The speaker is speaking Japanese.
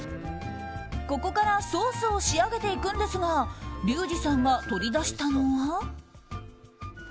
ここからソースを仕上げていくんですがリュウジさんが取り出したのは。